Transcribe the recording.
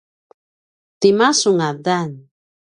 tima su ngadan?